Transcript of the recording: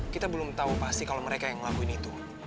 kita belum tahu pasti kalau mereka yang ngelakuin itu